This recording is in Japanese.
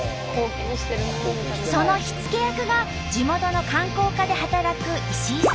その火付け役が地元の観光課で働く石井さん。